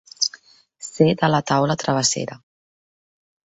Ser de la taula travessera.